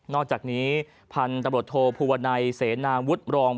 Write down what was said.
อกจากนี้พันธุ์ตำรวจโทภูวนัยเสนาวุฒิรอง